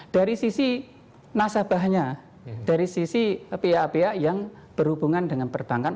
dari sisi nasabahnya dari sisi pihak pihak yang berhubungan dengan perbankan